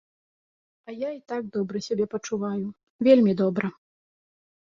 А я і так добра сябе пачуваю, вельмі добра.